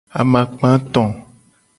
Amakpa eto.